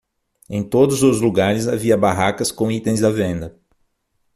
Em todos os lugares havia barracas com itens à venda.